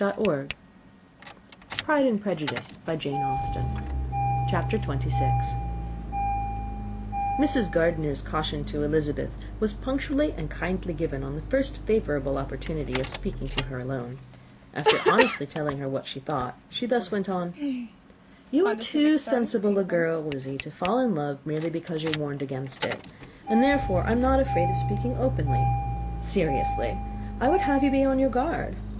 [Illustration: "Will you come and see me?" ] CHAPTER XXVI. Mrs. Gardiner's caution to Elizabeth was punctually and kindly given on the first favourable opportunity of speaking to her alone: after honestly telling her what she thought, she thus went on: "You are too sensible a girl, Lizzy, to fall in love merely because you are warned against it; and, therefore, I am not afraid of speaking openly. Seriously, I would have you be on your guard.